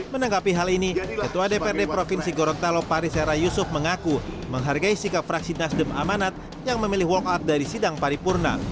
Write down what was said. menanggapi hal ini ketua dprd provinsi gorontalo pariserayusuf mengaku menghargai sikap praksinas demamanat yang memilih walkout dari sidang paripurna